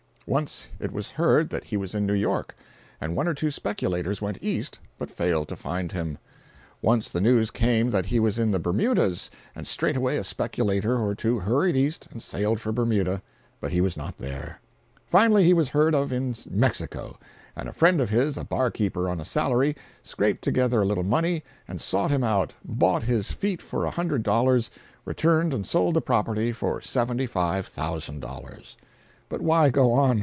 Once it was heard that he was in New York, and one or two speculators went east but failed to find him. Once the news came that he was in the Bermudas, and straightway a speculator or two hurried east and sailed for Bermuda—but he was not there. Finally he was heard of in Mexico, and a friend of his, a bar keeper on a salary, scraped together a little money and sought him out, bought his "feet" for a hundred dollars, returned and sold the property for $75,000. But why go on?